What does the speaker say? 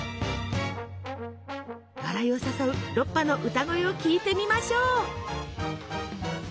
笑いを誘うロッパの歌声を聞いてみましょう。